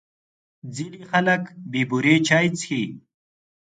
ځینې خلک بې بوري چای څښي.